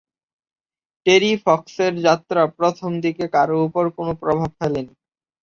টেরি ফক্সের যাত্রা প্রথমদিকে কারো উপর কোন প্রভাব ফেলে নি।